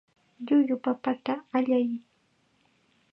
Llullu papata allay.